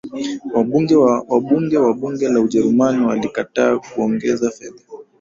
Wabunge wa bunge la Ujerumani walikataa kuongeza fedha